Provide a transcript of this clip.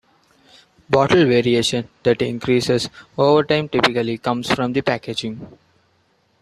Bottle variation that increases over time typically comes from the packaging.